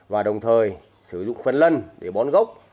và đồng thời sử dụng phân lân để bón gốc